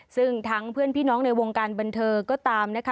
ซึ่งทั้งเพื่อนพี่น้องในวงการบันเทิงก็ตามนะคะ